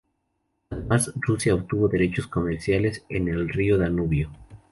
Además Rusia obtuvo derechos comerciales en el río Danubio.